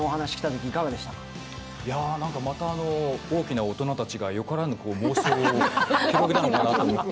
また大きな大人たちがよからぬ妄想を広げたのかなと思って。